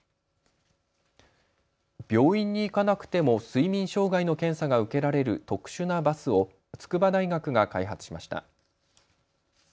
病院に行かなくても睡眠障害の検査が受けられる特殊なバスを筑波大学が開発しました。